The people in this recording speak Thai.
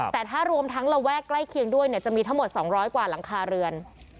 แต่ถ้ารวมทั้งระแวกใกล้เคียงด้วยจะมีทั้งหมด๒๐๐กว่าหลังคาเรือน